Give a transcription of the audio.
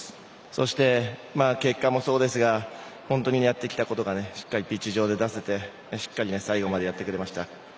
そして、結果もそうですが本当にやってきたことがしっかりピッチ上で出せてしっかり最後までやってくれました。